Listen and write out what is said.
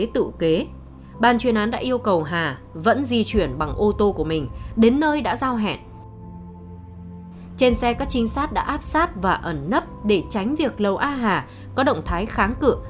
trên xe các trinh sát đã áp sát và ẩn nấp để tránh việc lầu a hà có động thái kháng cự